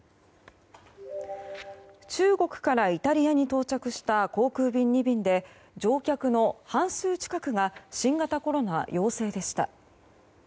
中国からイタリアに到着した航空便２便で乗客の半数近くが新型コロナ陽性でした。